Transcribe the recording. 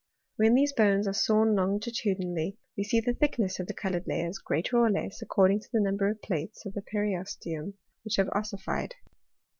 When these bones are sawn longitudinally we see the thickness of the coloured layers, greater or less, according to the number of plates of the periosteum that have ossified.